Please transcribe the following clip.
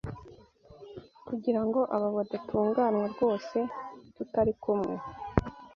kugira ngo abo badatunganywa rwose tutari kumwe